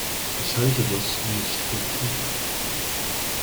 Ich halte das nicht für klug.